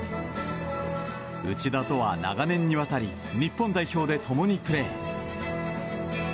内田とは長年にわたり日本代表で共にプレー。